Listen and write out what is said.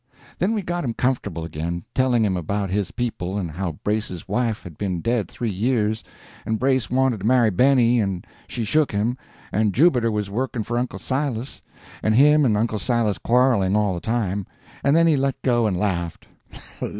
Then we got him comfortable again, telling him about his people, and how Brace's wife had been dead three years, and Brace wanted to marry Benny and she shook him, and Jubiter was working for Uncle Silas, and him and Uncle Silas quarreling all the time—and then he let go and laughed.